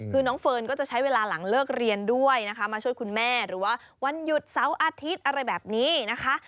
คือน้องเฟิร์นก็จะใช้เวลาหลังเลิกเรียนด้วยนะคะมาช่วยคุณแม่หรือว่าวันหยุดเสาร์อาทิตย์อะไรแบบนี้นะคะ